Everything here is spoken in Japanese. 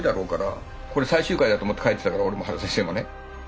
これ最終回だと思って書いてたから俺も原先生もね。